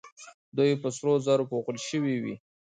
دوی په سرو زرو پوښل شوې وې